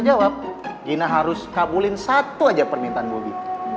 jawab gina harus kabulin satu aja permintaan bobi